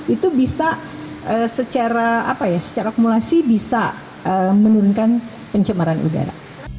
itu bisa secara apa ya secara akumulasi bisa menurunkan pencemaran udara